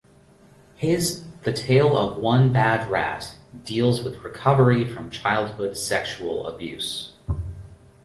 His "The Tale of One Bad Rat" deals with recovery from childhood sexual abuse.